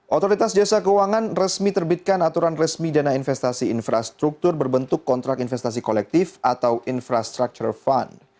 otoritas jasa keuangan resmi terbitkan aturan resmi dana investasi infrastruktur berbentuk kontrak investasi kolektif atau infrastructure fund